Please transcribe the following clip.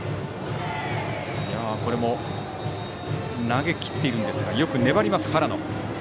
投げきっているんですがよく粘ります原野。